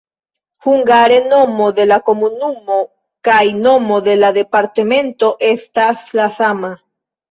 Hungare nomo de la komunumo kaj nomo de la departemento estas la sama.